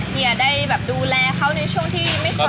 ได้แบบดูแลเขาในช่วงที่ไม่สุข